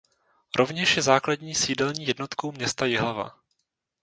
Rovněž je základní sídelní jednotkou města Jihlava.